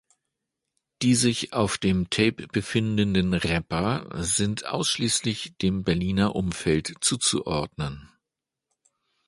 Die sich auf dem Tape befindenden Rapper sind ausschließlich dem Berliner Umfeld zuzuordnen.